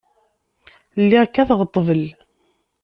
Lliɣ kkateɣ ḍḍbel.